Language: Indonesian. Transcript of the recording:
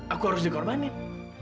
aku harus digorbanin